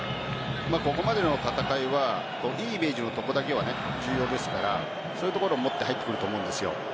ここまでの戦いはいいイメージのところだけは重要ですからそういうところも入ってくると思うんです。